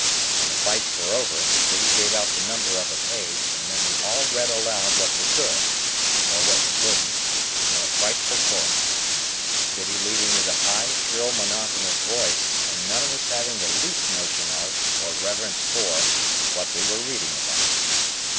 When the fights were over, Biddy gave out the number of a page, and then we all read aloud what we could,—or what we couldn't—in a frightful chorus; Biddy leading with a high, shrill, monotonous voice, and none of us having the least notion of, or reverence for, what we were reading about.